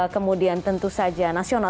kemudian tentu saja